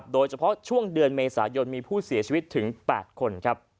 โดยเฉพาะช่วงเดือนเมษายนมีผู้เสียชีวิตถึง๘คน